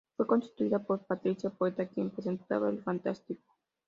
Fue sustituida por Patrícia Poeta, quien presentaba el Fantástico.